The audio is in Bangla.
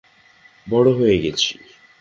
বড়ো হয়ে গেছি।